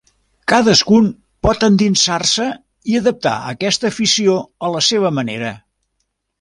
Cadascun pot endinsar-se i adaptar aquesta afició a la seva manera.